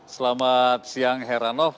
selamat siang heranov